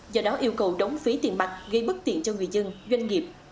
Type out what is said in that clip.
do đó yêu cầu đóng phí tiền mặt gây bất tiện cho người dân doanh nghiệp